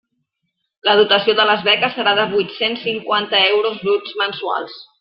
La dotació de les beques serà de huit-cents cinquanta euros bruts mensuals.